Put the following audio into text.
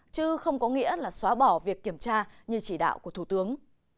chứ không có nghĩa là xóa bỏ việc kiểm tra như chỉ đạo của thủ tướng